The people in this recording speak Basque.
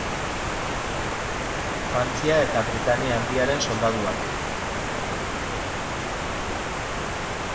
Frantzia eta Britainia Handiaren soldaduak.